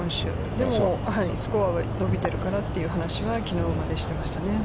でも、スコアは、伸びているからという話をきのうまで、してましたね。